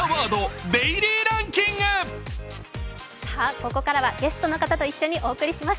ここからはゲストの方と一緒にお送りします。